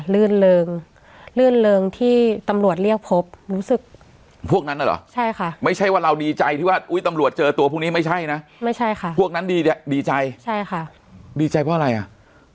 ลื่นเริงลื่นเริงที่ตำรวจเรียกพบรู้สึกพวกนั้นน่ะเหรอใช่ค่ะไม่ใช่ว่าเราดีใจที่ว่าอุ้ยตำรวจเจอตัวพวกนี้ไม่ใช่นะไม่ใช่ค่ะพวกนั้นดีดีใจใช่ค่ะดีใจเพราะอะไรอ่ะ